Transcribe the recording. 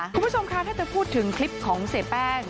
คุณผู้ชมคะถ้าจะพูดถึงคลิปของเสียแป้ง